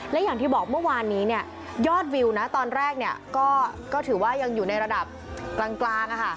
และอย่างที่บอกเมื่อวานนี้ยอดวิวนะตอนแรกก็ถือว่ายังอยู่ในระดับกลาง